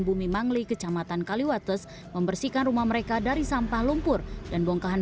bumi mangli kecamatan kaliwates membersihkan rumah mereka dari sampah lumpur dan bongkahan